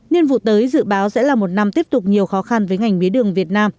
nhiên vụ tới dự báo sẽ là một năm tiếp tục nhiều khó khăn với ngành mía đường việt nam